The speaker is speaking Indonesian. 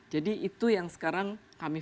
jadi itu yang sekarang kami